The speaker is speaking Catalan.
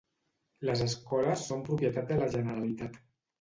Les escoles són propietat de la Generalitat.